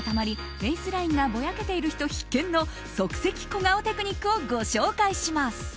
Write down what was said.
フェースラインがぼやけている人必見の即席小顔テクニックをご紹介します。